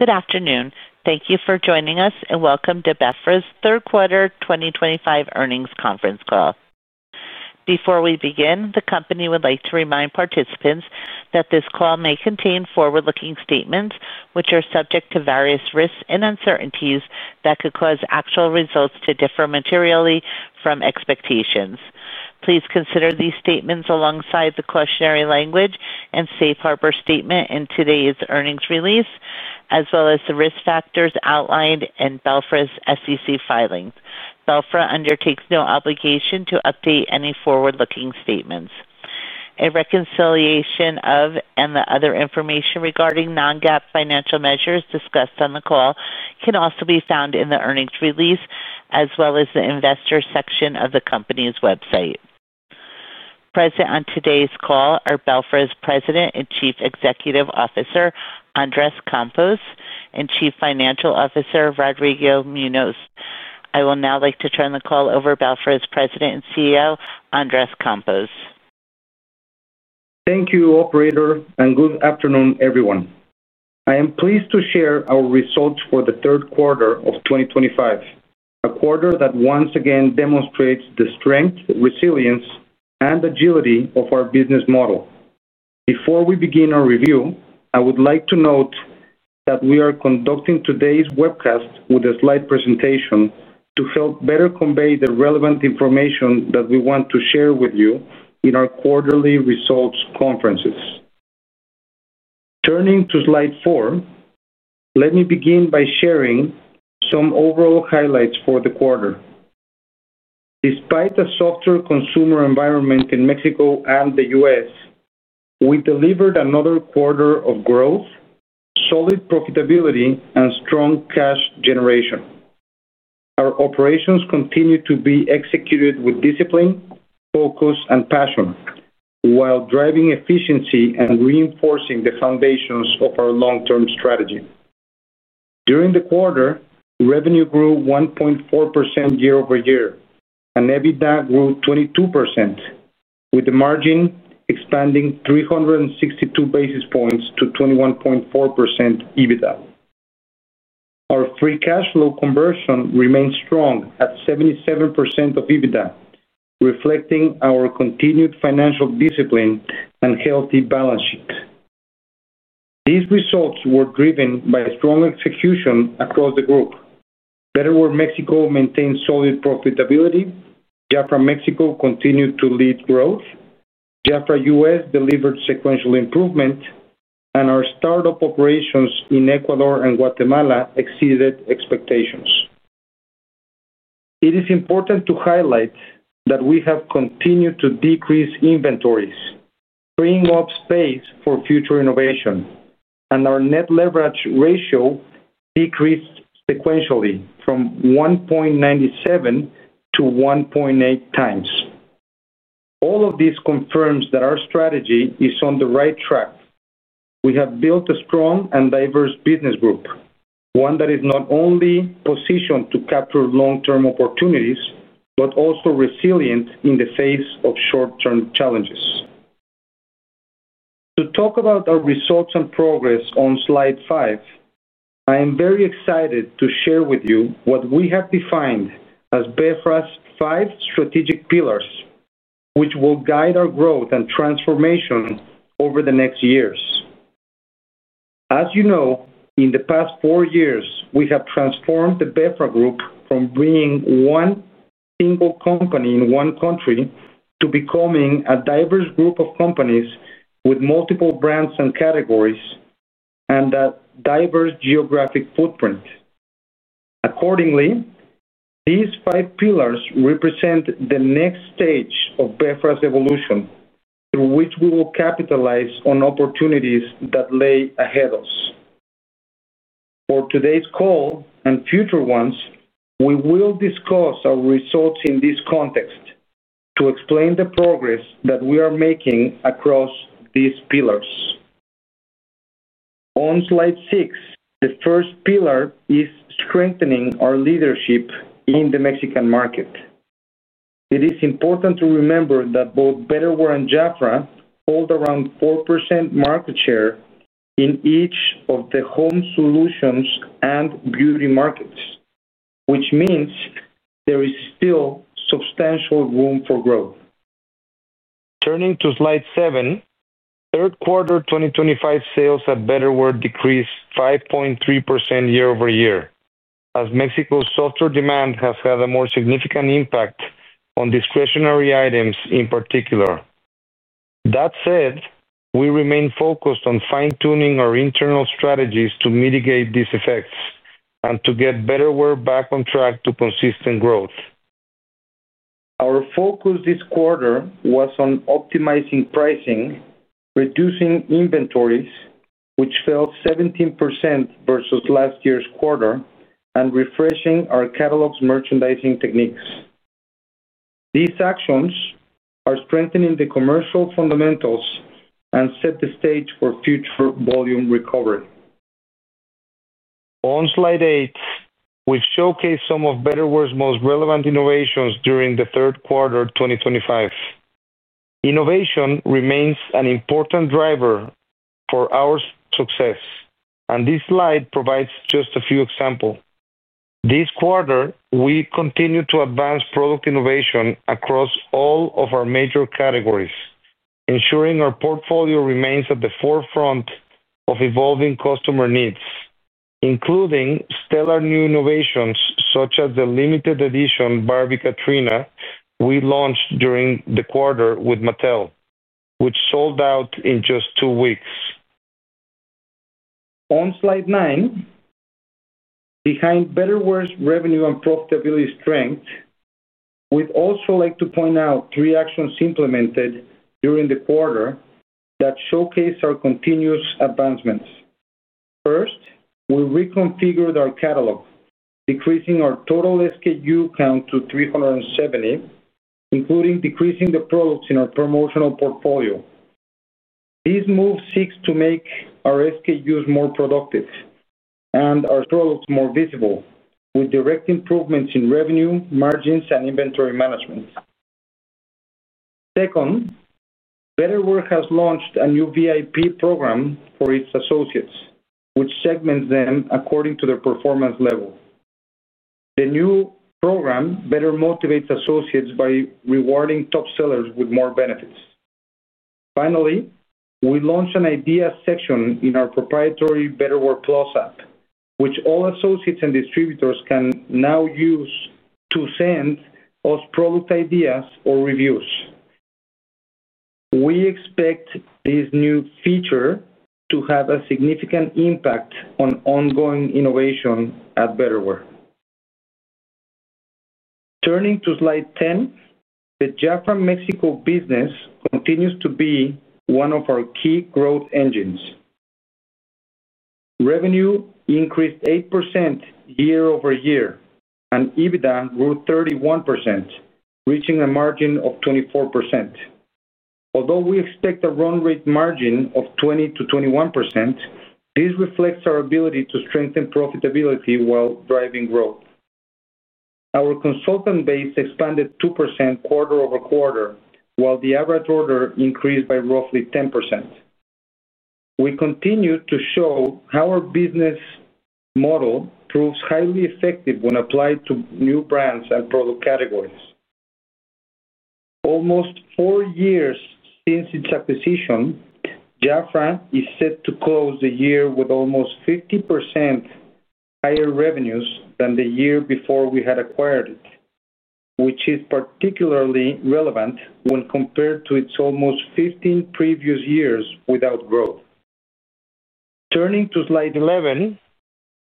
Good afternoon. Thank you for joining us and welcome to Betterware's third quarter 2025 earnings conference call. Before we begin, the company would like to remind participants that this call may contain forward-looking statements, which are subject to various risks and uncertainties that could cause actual results to differ materially from expectations. Please consider these statements alongside the cautionary language and safe harbor statement in today's earnings release, as well as the risk factors outlined in Betterware's SEC filing. Betterware undertakes no obligation to update any forward-looking statements. A reconciliation of and the other information regarding non-GAAP financial measures discussed on the call can also be found in the earnings release, as well as the investor section of the company's website. Present on today's call are Betterware's President and Chief Executive Officer, Andres Campos, and Chief Financial Officer, Rodrigo Muñoz. I would now like to turn the call over to Betterware's President and CEO, Andres Campos. Thank you, operator, and good afternoon, everyone. I am pleased to share our results for the third quarter of 2025, a quarter that once again demonstrates the strength, resilience, and agility of our business model. Before we begin our review, I would like to note that we are conducting today's webcast with a slide presentation to help better convey the relevant information that we want to share with you in our quarterly results conferences. Turning to slide four, let me begin by sharing some overall highlights for the quarter. Despite a softer consumer environment in Mexico and the U.S., we delivered another quarter of growth, solid profitability, and strong cash generation. Our operations continue to be executed with discipline, focus, and passion, while driving efficiency and reinforcing the foundations of our long-term strategy. During the quarter, revenue grew 1.4% year-over-year, and EBITDA grew 22%, with the margin expanding 362 basis points to 21.4% EBITDA. Our free cash flow conversion remains strong at 77% of EBITDA, reflecting our continued financial discipline and healthy balance sheet. These results were driven by strong execution across the group. Betterware Mexico maintained solid profitability, Jafra Mexico continued to lead growth, Jafra US delivered sequential improvement, and our startup operations in Ecuador and Guatemala exceeded expectations. It is important to highlight that we have continued to decrease inventories, freeing up space for future innovation, and our net leverage ratio decreased sequentially from 1.97 to 1.8 times. All of this confirms that our strategy is on the right track. We have built a strong and diverse business group, one that is not only positioned to capture long-term opportunities but also resilient in the face of short-term challenges. To talk about our results and progress on slide five, I am very excited to share with you what we have defined as Bessra's five strategic pillars, which will guide our growth and transformation over the next years. As you know, in the past four years, we have transformed the Bessra Group from being one single company in one country to becoming a diverse group of companies with multiple brands and categories and a diverse geographic footprint. Accordingly, these five pillars represent the next stage of Bessra's evolution, through which we will capitalize on opportunities that lay ahead of us. For today's call and future ones, we will discuss our results in this context to explain the progress that we are making across these pillars. On slide six, the first pillar is strengthening our leadership in the Mexican market. It is important to remember that both Betterware Mexico and Jafra Mexico hold around 4% market share in each of the home solutions and beauty markets, which means there is still substantial room for growth. Turning to slide seven, third quarter 2025 sales at Betterware Mexico decreased 5.3% year-over-year, as Mexico's softer demand has had a more significant impact on discretionary items in particular. That said, we remain focused on fine-tuning our internal strategies to mitigate these effects and to get Betterware Mexico back on track to consistent growth. Our focus this quarter was on optimizing pricing, reducing inventories, which fell 17% versus last year's quarter, and refreshing our catalog's merchandising techniques. These actions are strengthening the commercial fundamentals and set the stage for future volume recovery. On slide eight, we've showcased some of Betterware Mexico's most relevant innovations during the third quarter 2025. Innovation remains an important driver for our success, and this slide provides just a few examples. This quarter, we continue to advance product innovation across all of our major categories, ensuring our portfolio remains at the forefront of evolving customer needs, including stellar new innovations such as the limited edition Barbie Katrina we launched during the quarter with Mattel, which sold out in just two weeks. On slide nine, behind Betterware Mexico's revenue and profitability strength, we'd also like to point out three actions implemented during the quarter that showcase our continuous advancements. First, we reconfigured our catalog, decreasing our total SKU count to 370, including decreasing the products in our promotional portfolio. These moves seek to make our SKUs more productive and our products more visible, with direct improvements in revenue, margins, and inventory management. Second, Betterware Mexico has launched a new VIP program for its associates, which segments them according to their performance level. The new program better motivates associates by rewarding top sellers with more benefits. Finally, we launched an idea section in our proprietary Betterware Plus app, which all associates and distributors can now use to send us product ideas or reviews. We expect this new feature to have a significant impact on ongoing innovation at Betterware. Turning to slide ten, the Jafra Mexico business continues to be one of our key growth engines. Revenue increased 8% year-over-year, and EBITDA grew 31%, reaching a margin of 24%. Although we expect a run rate margin of 20%-21%, this reflects our ability to strengthen profitability while driving growth. Our consultant base expanded 2% quarter-over-quarter, while the average order increased by roughly 10%. We continue to show how our business model proves highly effective when applied to new brands and product categories. Almost four years since its acquisition, Jafra is set to close the year with almost 50% higher revenues than the year before we had acquired it, which is particularly relevant when compared to its almost 15 previous years without growth. Turning to slide 11,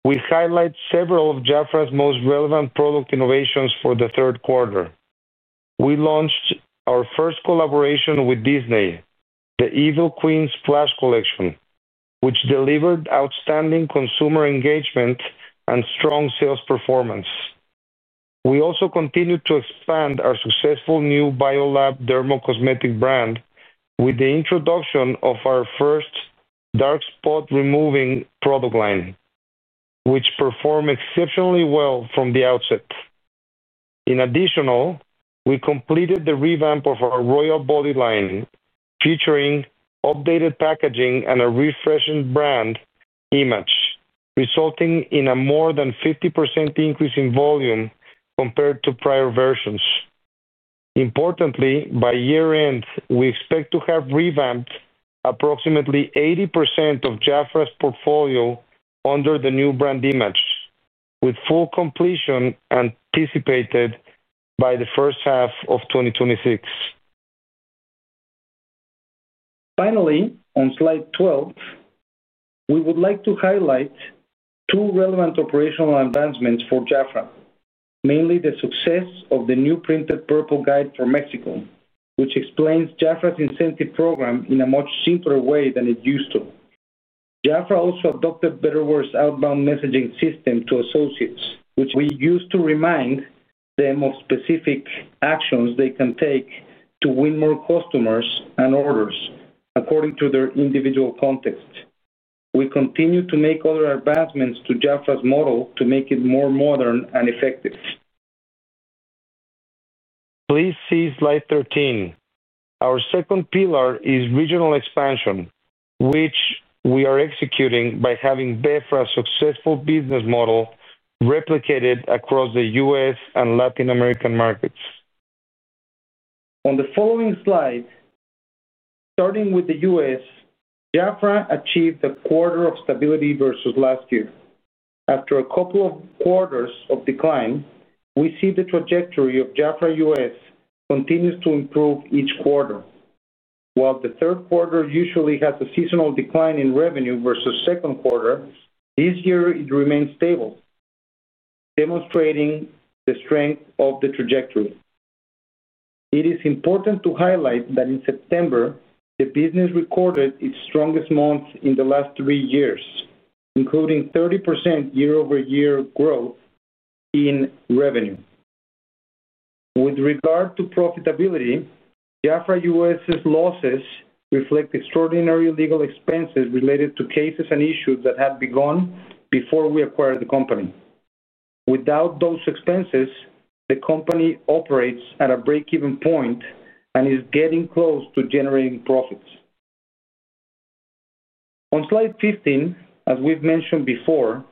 we highlight several of Jafra's most relevant product innovations for the third quarter. We launched our first collaboration with Disney, the Evil Queen's Flash Collection, which delivered outstanding consumer engagement and strong sales performance. We also continue to expand our successful new Biolab dermocosmetic brand with the introduction of our first dark spot removing product line, which performed exceptionally well from the outset. In addition, we completed the revamp of our Royal Body line, featuring updated packaging and a refreshing brand image, resulting in a more than 50% increase in volume compared to prior versions. Importantly, by year-end, we expect to have revamped approximately 80% of Jafra's portfolio under the new brand image, with full completion anticipated by the first half of 2026. Finally, on slide 12, we would like to highlight two relevant operational advancements for Jafra, mainly the success of the new printed purple guide for Mexico, which explains Jafra's incentive program in a much simpler way than it used to. Jafra also adopted Betterware's outbound messaging system to associates, which we use to remind them of specific actions they can take to win more customers and orders according to their individual context. We continue to make other advancements to Jafra's model to make it more modern and effective. Please see slide 13. Our second pillar is regional expansion, which we are executing by having Bessra's successful business model replicated across the US and Latin American markets. On the following slide, starting with the U.S., Jafra achieved a quarter of stability versus last year. After a couple of quarters of decline, we see the trajectory of Jafra US continues to improve each quarter. While the third quarter usually has a seasonal decline in revenue versus the second quarter, this year it remains stable, demonstrating the strength of the trajectory. It is important to highlight that in September, the business recorded its strongest month in the last three years, including 30% year-over-year growth in revenue. With regard to profitability, Jafra US's losses reflect extraordinary legal expenses related to cases and issues that had begun before we acquired the company. Without those expenses, the company operates at a break-even point and is getting close to generating profits. On slide 15, as we've mentioned before,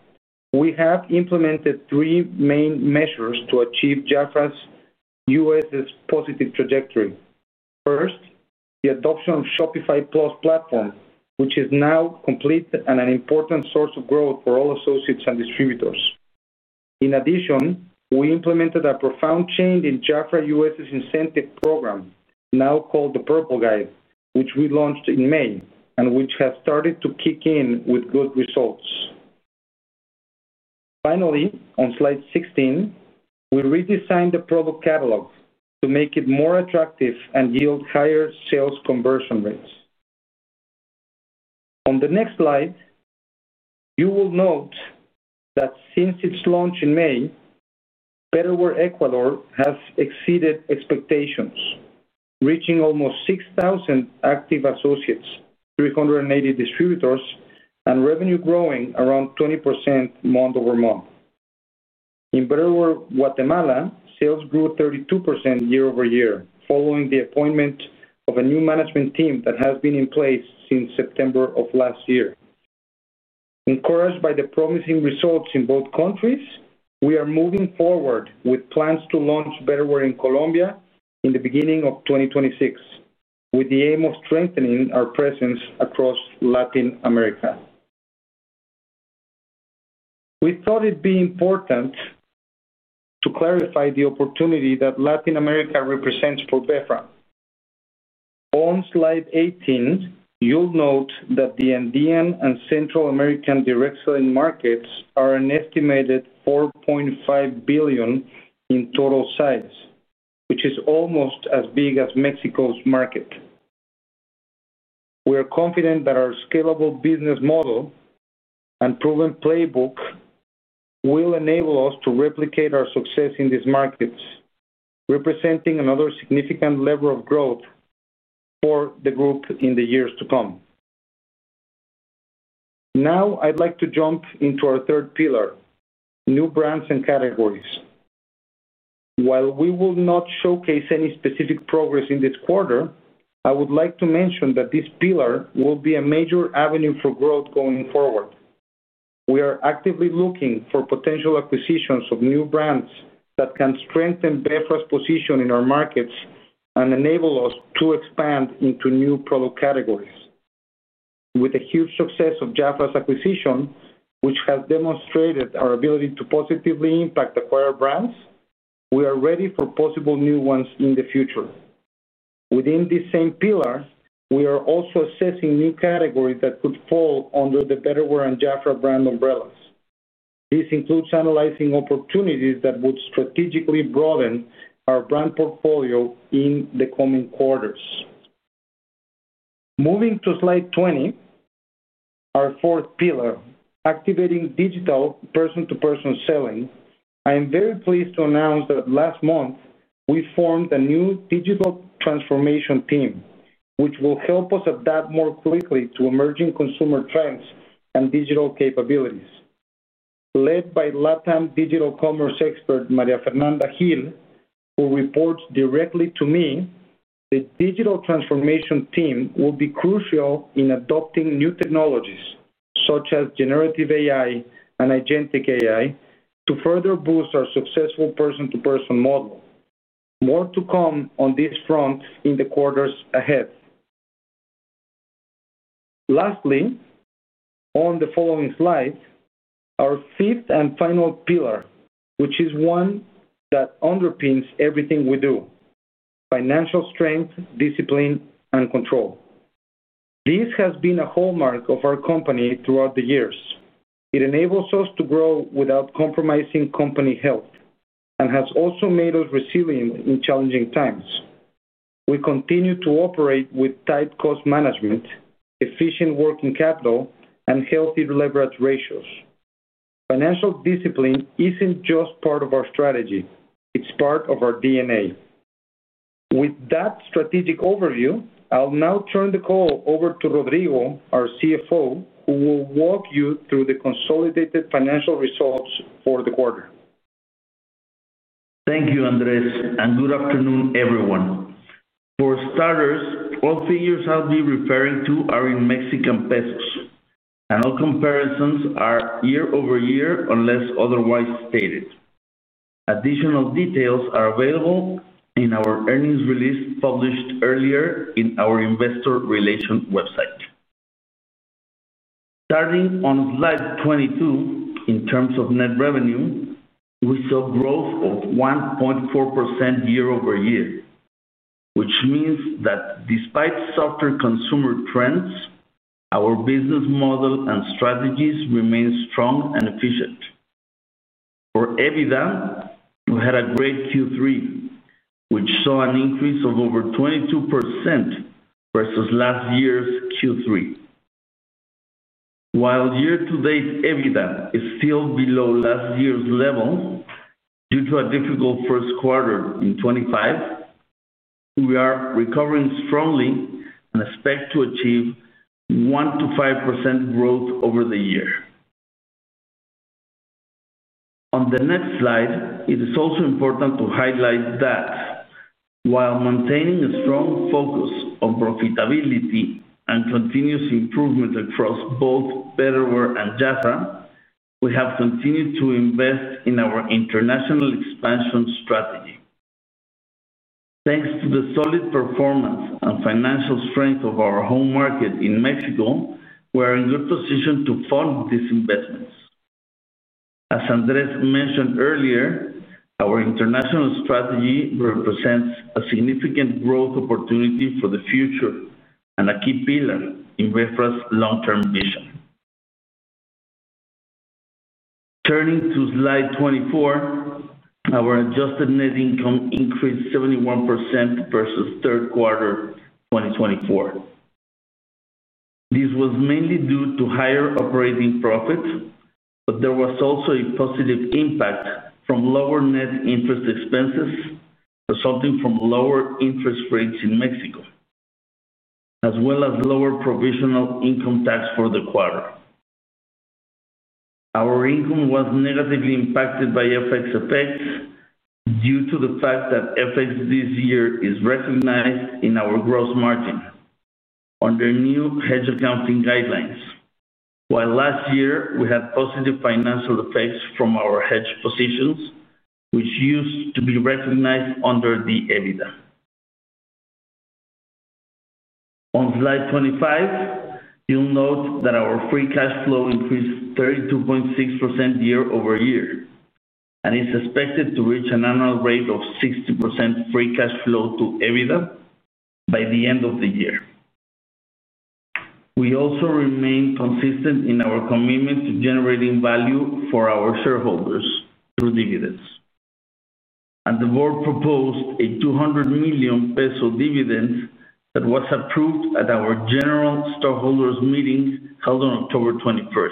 we have implemented three main measures to achieve Jafra US's positive trajectory. First, the adoption of Shopify Plus platform, which is now complete and an important source of growth for all associates and distributors. In addition, we implemented a profound change in Jafra US's incentive program, now called the Purple Guide, which we launched in May and which has started to kick in with good results. Finally, on slide 16, we redesigned the product catalog to make it more attractive and yield higher sales conversion rates. On the next slide, you will note that since its launch in May, Betterware Ecuador has exceeded expectations, reaching almost 6,000 active associates, 380 distributors, and revenue growing around 20% month over month. In Betterware Guatemala, sales grew 32% year-over-year following the appointment of a new management team that has been in place since September of last year. Encouraged by the promising results in both countries, we are moving forward with plans to launch Betterware in Colombia in the beginning of 2026, with the aim of strengthening our presence across Latin America. We thought it'd be important to clarify the opportunity that Latin America represents for Bessra. On slide 18, you'll note that the Andean and Central American direct selling markets are an estimated 4.5 billion in total size, which is almost as big as Mexico's market. We are confident that our scalable business model and proven playbook will enable us to replicate our success in these markets, representing another significant level of growth for the group in the years to come. Now, I'd like to jump into our third pillar, new brands and categories. While we will not showcase any specific progress in this quarter, I would like to mention that this pillar will be a major avenue for growth going forward. We are actively looking for potential acquisitions of new brands that can strengthen Betterware's position in our markets and enable us to expand into new product categories. With the huge success of Jafra's acquisition, which has demonstrated our ability to positively impact acquired brands, we are ready for possible new ones in the future. Within this same pillar, we are also assessing new categories that could fall under the Betterware and Jafra brand umbrellas. This includes analyzing opportunities that would strategically broaden our brand portfolio in the coming quarters. Moving to slide 20, our fourth pillar, activating digital person-to-person selling, I am very pleased to announce that last month we formed a new digital transformation team, which will help us adapt more quickly to emerging consumer trends and digital capabilities. Led by LATAM Digital Commerce Expert, Maria Fernanda Gil, who reports directly to me, the digital transformation team will be crucial in adopting new technologies such as generative AI and agentic AI to further boost our successful person-to-person model. More to come on this front in the quarters ahead. Lastly, on the following slide, our fifth and final pillar, which is one that underpins everything we do: financial strength, discipline, and control. This has been a hallmark of our company throughout the years. It enables us to grow without compromising company health and has also made us resilient in challenging times. We continue to operate with tight cost management, efficient working capital, and healthy leverage ratios. Financial discipline isn't just part of our strategy, it's part of our DNA. With that strategic overview, I'll now turn the call over to Rodrigo, our CFO, who will walk you through the consolidated financial results for the quarter. Thank you, Andres, and good afternoon, everyone. For starters, all figures I'll be referring to are in Mexican pesos, and all comparisons are year-over-year unless otherwise stated. Additional details are available in our earnings release published earlier on our investor relations website. Starting on slide 22, in terms of net revenue, we saw growth of 1.4% year-over-year, which means that despite softer consumer trends, our business model and strategies remain strong and efficient. For EBITDA, we had a great Q3, which saw an increase of over 22% versus last year's Q3. While year-to-date EBITDA is still below last year's level due to a difficult first quarter in 2024, we are recovering strongly and expect to achieve 1%-5% growth over the year. On the next slide, it is also important to highlight that while maintaining a strong focus on profitability and continuous improvement across both Betterware Mexico and Jafra Mexico, we have continued to invest in our international expansion strategy. Thanks to the solid performance and financial strength of our home market in Mexico, we are in a good position to fund these investments. As Andres mentioned earlier, our international strategy represents a significant growth opportunity for the future and a key pillar in Bessra S.A.P.I. de C.V.'s long-term vision. Turning to slide 24, our adjusted net income increased 71% versus third quarter 2024. This was mainly due to higher operating profits, but there was also a positive impact from lower net interest expenses resulting from lower interest rates in Mexico, as well as lower provisional income tax for the quarter. Our income was negatively impacted by FX effects due to the fact that FX this year is recognized in our gross margin under new hedge accounting guidelines. Last year we had positive financial effects from our hedge positions, which used to be recognized under the EBITDA. On slide 25, you'll note that our free cash flow increased 32.6% year-over-year and is expected to reach an annual rate of 60% free cash flow to EBITDA by the end of the year. We also remain consistent in our commitment to generating value for our shareholders through dividends, and the board proposed a 200 million peso dividend that was approved at our general stockholders' meeting held on October 21, 2024.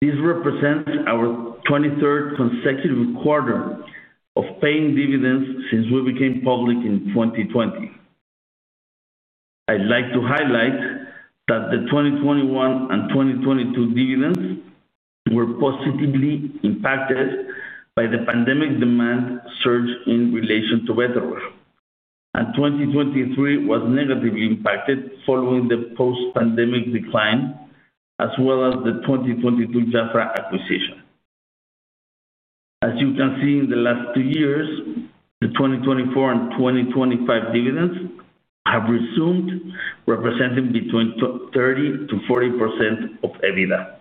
This represents our 23rd consecutive quarter of paying dividends since we became public in 2020. I'd like to highlight that the 2021 and 2022 dividends were positively impacted by the pandemic demand surge in relation to Betterware, and 2023 was negatively impacted following the post-pandemic decline as well as the 2022 Jafra acquisition. As you can see, in the last two years, the 2024 and 2025 dividends have resumed, representing between 30%-40% of EBITDA.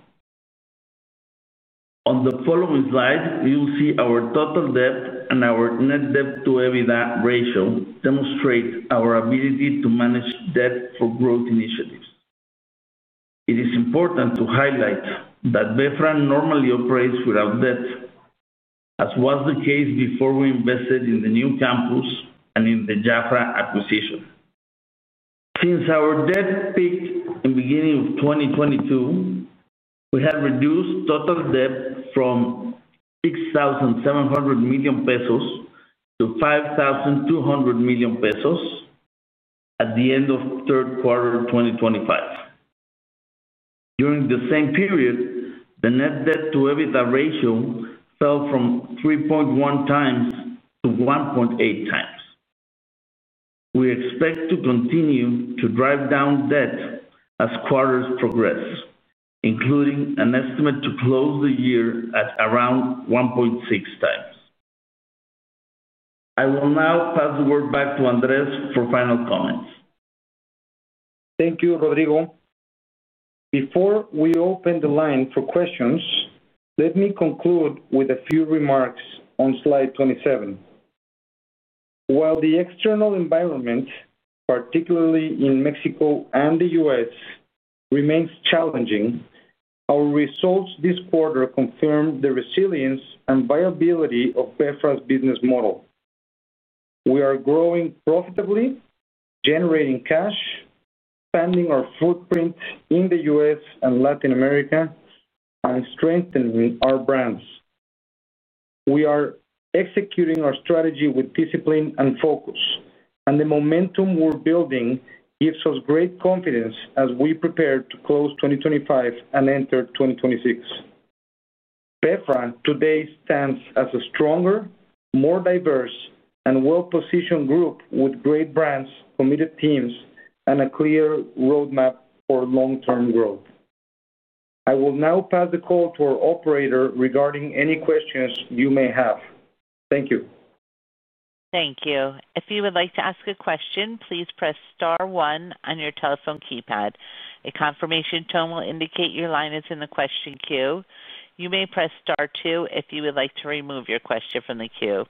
On the following slide, you'll see our total debt and our net debt to EBITDA ratio demonstrate our ability to manage debt for growth initiatives. It is important to highlight that Bessra normally operates without debt, as was the case before we invested in the new campus and in the Jafra acquisition. Since our debt peaked in the beginning of 2022, we have reduced total debt from MXN 6,700 million-5,200 million pesos at the end of third quarter 2025. During the same period, the net debt to EBITDA ratio fell from 3.1 times to 1.8 times. We expect to continue to drive down debt as quarters progress, including an estimate to close the year at around 1.6 times. I will now pass the word back to Andres for final comments. Thank you, Rodrigo. Before we open the line for questions, let me conclude with a few remarks on slide 27. While the external environment, particularly in Mexico and the U.S., remains challenging, our results this quarter confirm the resilience and viability of Bessra's business model. We are growing profitably, generating cash, expanding our footprint in the U.S. and Latin America, and strengthening our brands. We are executing our strategy with discipline and focus, and the momentum we're building gives us great confidence as we prepare to close 2025 and enter 2026. Bessra today stands as a stronger, more diverse, and well-positioned group with great brands, committed teams, and a clear roadmap for long-term growth. I will now pass the call to our operator regarding any questions you may have. Thank you. Thank you. If you would like to ask a question, please press star one on your telephone keypad. A confirmation tone will indicate your line is in the question queue. You may press star two if you would like to remove your question from the queue.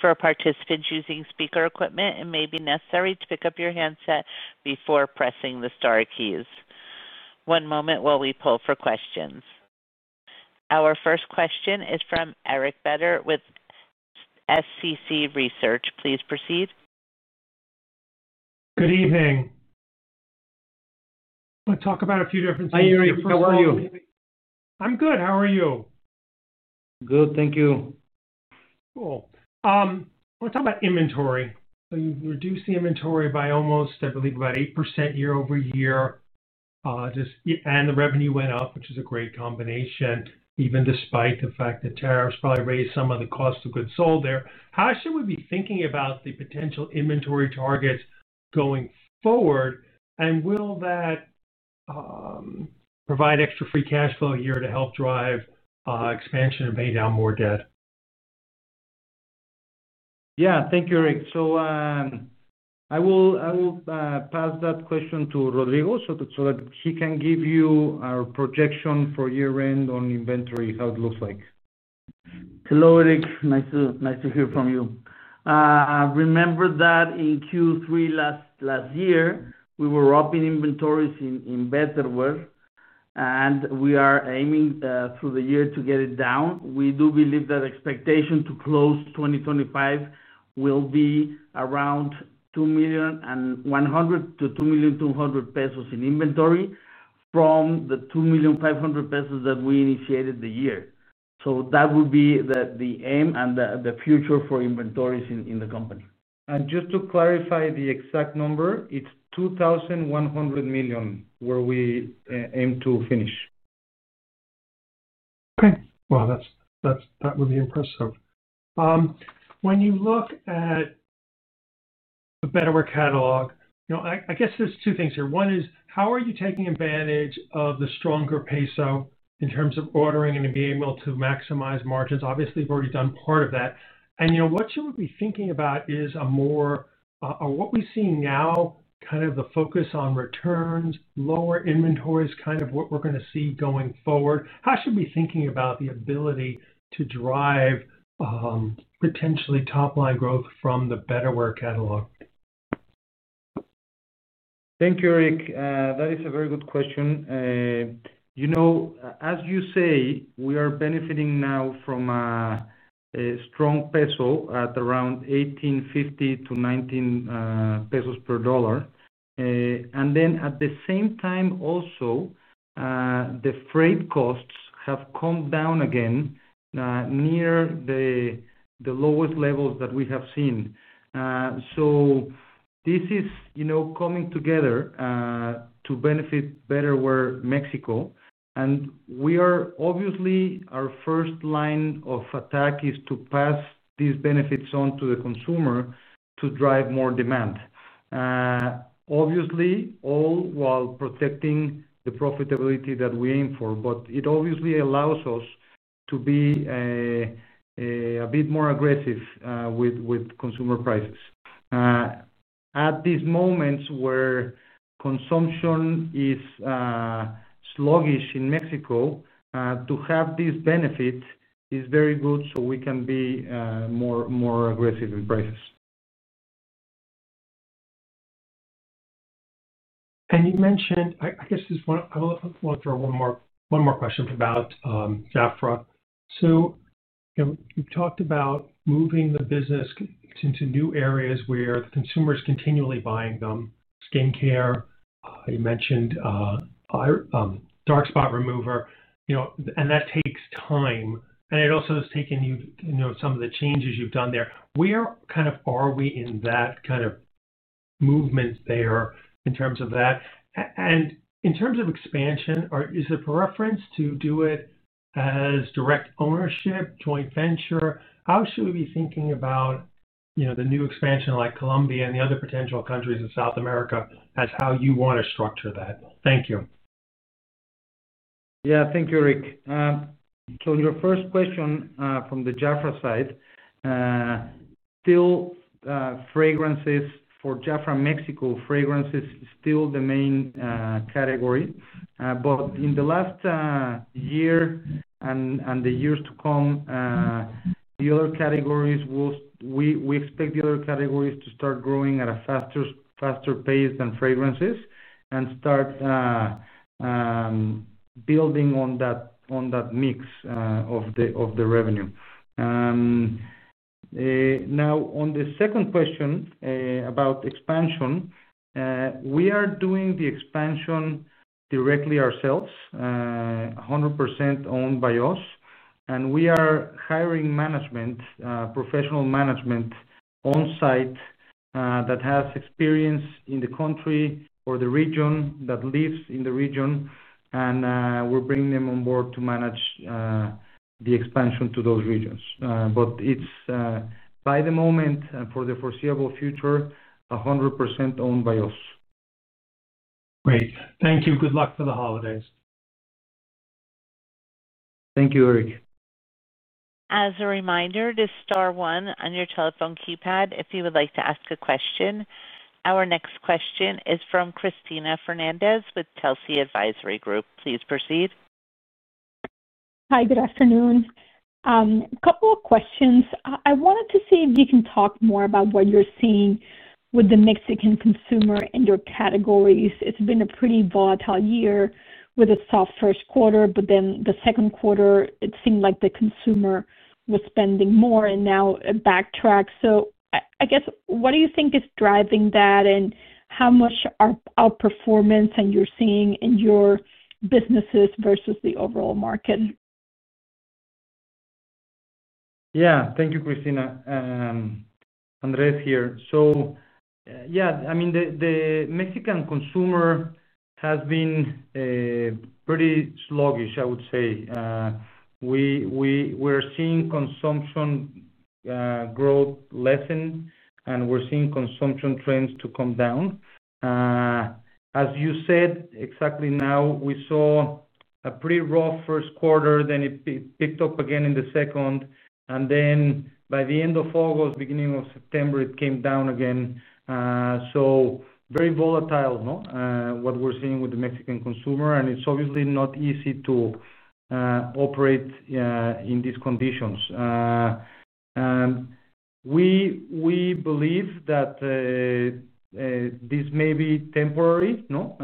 For participants using speaker equipment, it may be necessary to pick up your handset before pressing the star keys. One moment while we pull for questions. Our first question is from Eric Martin Beder with SCC Research. Please proceed. Good evening. I want to talk about a few differences. I hear you. How are you? I'm good. How are you? Good, thank you. I want to talk about inventory. You've reduced the inventory by almost, I believe, about 8% year-over-year, and the revenue went up, which is a great combination, even despite the fact that tariffs probably raised some of the cost of goods sold there. How should we be thinking about the potential inventory targets going forward, and will that provide extra free cash flow here to help drive expansion and pay down more debt? Thank you, Eric. I will pass that question to Rodrigo so that he can give you our projection for year-end on inventory, how it looks like. Hello, Eric. Nice to hear from you. I remember that in Q3 last year, we were upping inventories in Betterware, and we are aiming through the year to get it down. We do believe that expectation to close 2025 will be around 2,100 million-2,200 million in inventory from the 2,500 million that we initiated the year. That would be the aim and the future for inventories in the company. To clarify the exact number, it's 2,100 million where we aim to finish. That's impressive. When you look at the Betterware catalog, I guess there's two things here. One is, how are you taking advantage of the stronger peso in terms of ordering and then being able to maximize margins? Obviously, you've already done part of that. What should we be thinking about as a more, are what we see now, kind of the focus on returns, lower inventories, kind of what we're going to see going forward? How should we be thinking about the ability to drive, potentially, top-line growth from the Betterware catalog? Thank you, Eric. That is a very good question. You know, as you say, we are benefiting now from a strong peso at around 1,850-1,900 pesos per dollar. At the same time, also, the freight costs have come down again, near the lowest levels that we have seen. This is coming together to benefit Betterware Mexico. We are obviously, our first line of attack is to pass these benefits on to the consumer to drive more demand, all while protecting the profitability that we aim for, but it obviously allows us to be a bit more aggressive with consumer prices. At these moments where consumption is sluggish in Mexico, to have this benefit is very good so we can be more aggressive in prices. You mentioned, I guess this is one. I will throw one more question about Jafra. You know, you've talked about moving the business into new areas where the consumer is continually buying them, skincare, you mentioned, dark spot remover, you know, and that takes time. It also has taken you some of the changes you've done there. Where are we in that kind of movement in terms of that? In terms of expansion, is the preference to do it as direct ownership, joint venture? How should we be thinking about the new expansion like Colombia and the other potential countries in South America as how you want to structure that? Thank you. Yeah. Thank you, Eric. Your first question, from the Jafra side, still, fragrances for Jafra Mexico, fragrances is still the main category. In the last year and the years to come, the other categories will, we expect the other categories to start growing at a faster pace than fragrances and start building on that mix of the revenue. Now, on the second question, about expansion, we are doing the expansion directly ourselves, 100% owned by us. We are hiring management, professional management on-site, that has experience in the country or the region, that lives in the region, and we're bringing them on board to manage the expansion to those regions. It is, by the moment, and for the foreseeable future, 100% owned by us. Great. Thank you. Good luck for the holidays. Thank you, Eric. As a reminder, press star one on your telephone keypad if you would like to ask a question. Our next question is from Cristina Fernández with Telsey Advisory Group. Please proceed. Hi. Good afternoon. A couple of questions. I wanted to see if you can talk more about what you're seeing with the Mexican consumer and your categories. It's been a pretty volatile year with a soft first quarter, but then the second quarter, it seemed like the consumer was spending more and now it backtracked. What do you think is driving that and how much are outperformance and you're seeing in your businesses versus the overall market? Thank you, Cristina. Andres here. The Mexican consumer has been pretty sluggish, I would say. We're seeing consumption growth lessen, and we're seeing consumption trends come down. As you said, exactly now, we saw a pretty rough first quarter. It picked up again in the second, and by the end of August, beginning of September, it came down again. Very volatile, no? What we're seeing with the Mexican consumer, and it's obviously not easy to operate in these conditions. We believe that this may be temporary, no?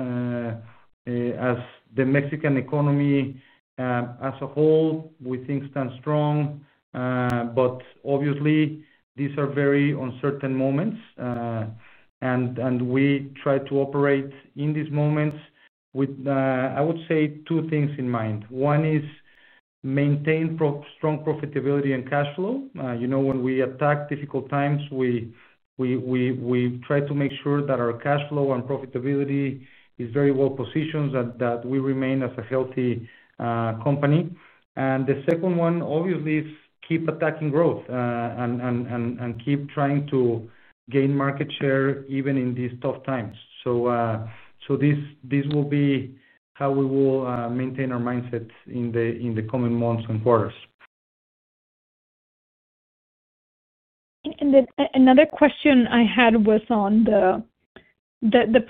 As the Mexican economy as a whole, we think stands strong. Obviously, these are very uncertain moments, and we try to operate in these moments with, I would say, two things in mind. One is maintain strong profitability and cash flow. You know, when we attack difficult times, we try to make sure that our cash flow and profitability is very well positioned and that we remain as a healthy company. The second one, obviously, is keep attacking growth and keep trying to gain market share even in these tough times. This will be how we will maintain our mindset in the coming months and quarters. Another question I had was on the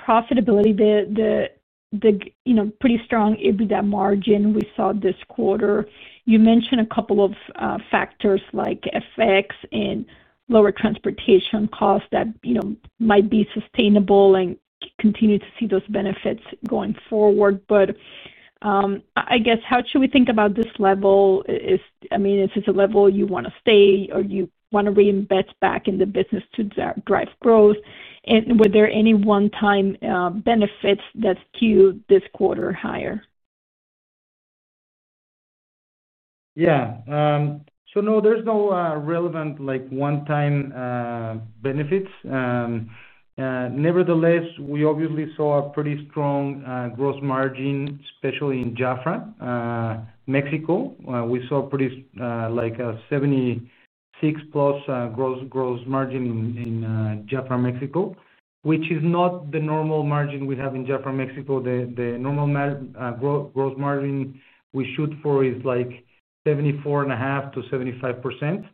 profitability, the pretty strong EBITDA margin we saw this quarter. You mentioned a couple of factors like FX and lower transportation costs that might be sustainable and continue to see those benefits going forward. I guess, how should we think about this level? Is this a level you want to stay or do you want to reinvest back in the business to drive growth? Were there any one-time benefits that skew this quarter higher? Yeah, so no, there's no relevant, like, one-time benefits. Nevertheless, we obviously saw a pretty strong gross margin, especially in Jafra Mexico. We saw a pretty, like, a 76%+ gross margin in Jafra Mexico, which is not the normal margin we have in Jafra Mexico. The normal gross margin we shoot for is like 74.5% to 75%.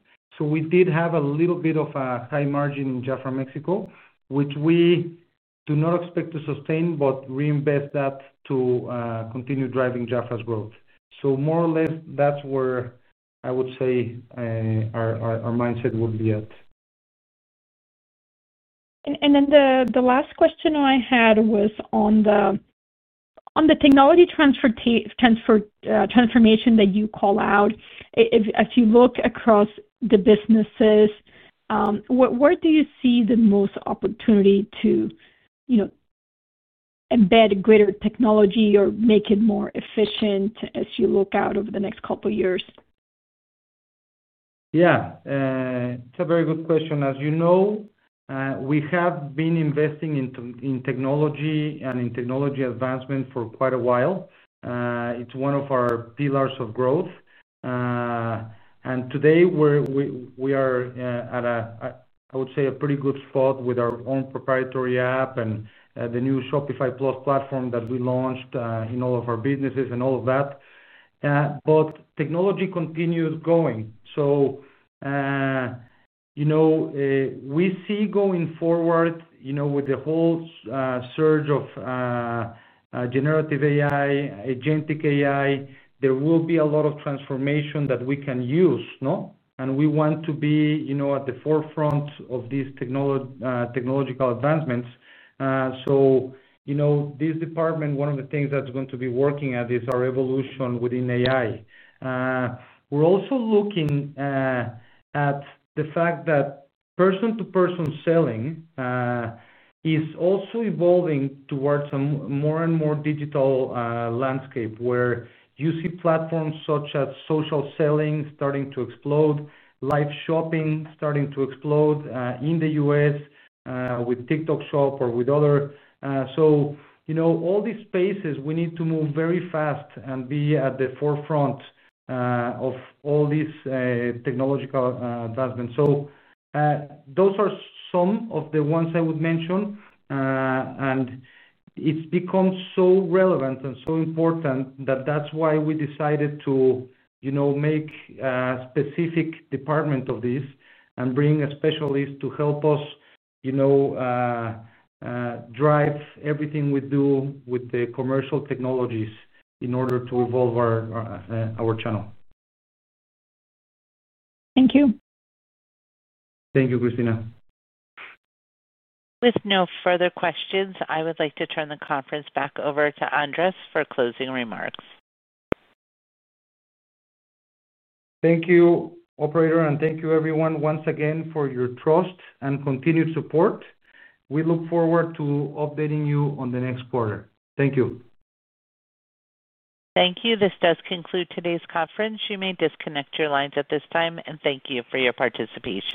We did have a little bit of a high margin in Jafra Mexico, which we do not expect to sustain, but reinvest that to continue driving Jafra's growth. More or less, that's where I would say our mindset would be at. The last question I had was on the technology transformation that you call out. If you look across the businesses, where do you see the most opportunity to embed greater technology or make it more efficient as you look out over the next couple of years? Yeah, it's a very good question. As you know, we have been investing in technology and in technology advancement for quite a while. It's one of our pillars of growth, and today, we are at a, I would say, a pretty good spot with our own proprietary app and the new Shopify Plus platform that we launched in all of our businesses and all of that. Technology continues going. You know, we see going forward, with the whole surge of generative AI, agentic AI, there will be a lot of transformation that we can use, no? We want to be at the forefront of these technological advancements. This department, one of the things that's going to be working at is our evolution within AI. We're also looking at the fact that person-to-person selling is also evolving towards a more and more digital landscape where you see platforms such as social selling starting to explode, live shopping starting to explode in the U.S., with TikTok Shop or with others. All these spaces, we need to move very fast and be at the forefront of all these technological advancements. Those are some of the ones I would mention. It's become so relevant and so important that that's why we decided to make a specific department of this and bring a specialist to help us drive everything we do with the commercial technologies in order to evolve our channel. Thank you. Thank you, Cristina. With no further questions, I would like to turn the conference back over to Andres for closing remarks. Thank you, operator, and thank you, everyone, once again for your trust and continued support. We look forward to updating you on the next quarter. Thank you. Thank you. This does conclude today's conference. You may disconnect your lines at this time, and thank you for your participation.